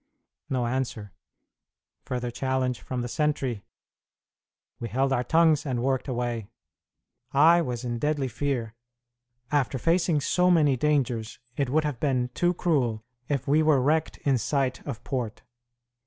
No answer. Further challenge from the sentry. We held our tongues and worked away. I was in deadly fear; after facing so many dangers, it would have been too cruel if we were wrecked in sight of port.